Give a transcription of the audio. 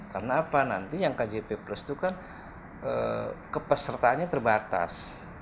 karena apa nanti yang kjp plus itu kan kepesertaannya terbatas